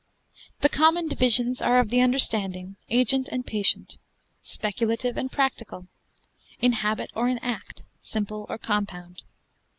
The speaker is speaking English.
The common divisions are of the understanding, agent, and patient; speculative, and practical; in habit, or in act; simple, or compound.